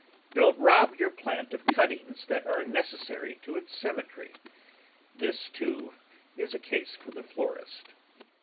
Don't rob your plant of cuttings that are necessary to its symmetry; this, too, is a case for the florist.